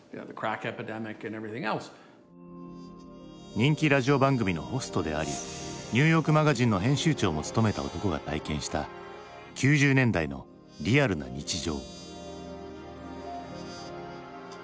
人気ラジオ番組のホストであり「ニューヨークマガジン」の編集長も務めた男が体験した９０年代のリアルな日常。